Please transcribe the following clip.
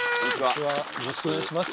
よろしくお願いします。